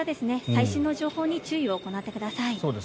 最新の情報に注意を行ってください。